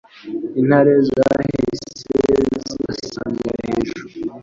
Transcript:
intare zahise zibasamira hejuru